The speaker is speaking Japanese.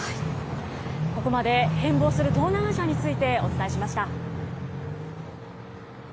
ここまで変貌する東南アジアについてお伝えしました。